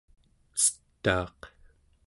cetaaq